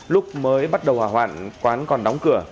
lúc mới bắt đầu hỏa hoạn quán còn đóng cửa